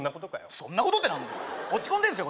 そんなことって何だよ落ち込んでんすよ